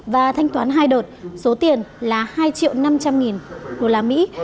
và thanh toán hai đợt số tiền là hai triệu năm trăm linh nghìn đô la mỹ